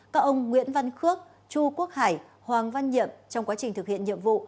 các ông nguyễn văn khước chu quốc hải hoàng văn nhiệm trong quá trình thực hiện nhiệm vụ